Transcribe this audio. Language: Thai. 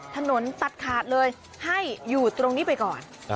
ถนนตัดขาดเลยให้อยู่ตรงนี้ไปก่อน